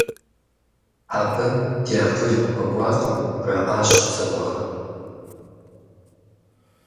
Абы ди акъыл хуэкӏуакъым, - жаӏащ дзыгъуэхэм.